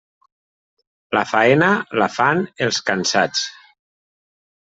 La faena, la fan els cansats.